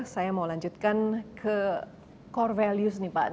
saya mau lanjutkan ke core values nih pak